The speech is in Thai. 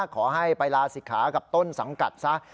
ขอให้ไปลาศิกขากับต้นสังกัดซะ